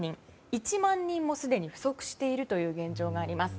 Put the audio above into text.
１万人も、すでに不足している現状があります。